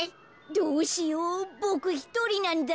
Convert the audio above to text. どうしようボクひとりなんだ。